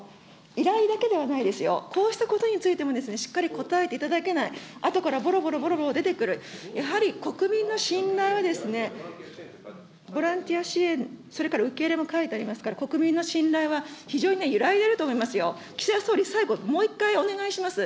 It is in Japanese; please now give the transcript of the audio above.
依頼だけではないですよ、こうしたことについてもですね、しっかり答えていただけない、あとからぼろぼろぼろぼろ出てくる、やはり国民の信頼はですね、ボランティア支援、それから受け入れも書いてありますから、国民の信頼は非常に揺らいでいると思いますよ、岸田総理、最後、もう一回お願いします。